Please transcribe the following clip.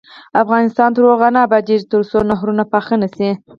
افغانستان تر هغو نه ابادیږي، ترڅو نهرونه پاخه نشي.